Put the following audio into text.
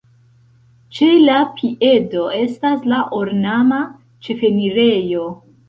Ĉe la piedo estas la ornama ĉefenirejo.